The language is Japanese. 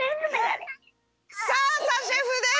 さあさシェフです！